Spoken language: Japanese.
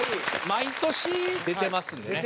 毎年出てますんでね。